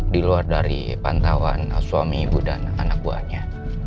diluar dari pantauan suami ibu dan anak bu hanya